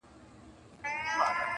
هم به مور هم به عالم درنه راضي وي!.